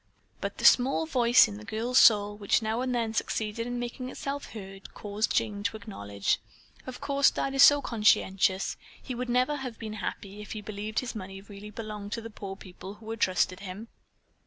But the small voice in the girl's soul which now and then succeeded in making itself heard caused Jane to acknowledge: "Of course Dad is so conscientious, he would never have been happy if he believed that his money really belonged to the poor people who had trusted him."